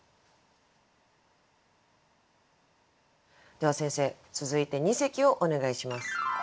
では先生続いて二席をお願いします。